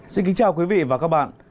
xin kính chào quý vị và các bạn